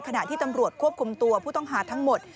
ขณะที่ตำรวจควบคุมตัวผู้ต้องหาทั้งหมด